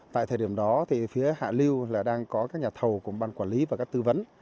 tại thời điểm đó thì phía hạ lưu là đang có các nhà thầu cùng ban quản lý và các tư vấn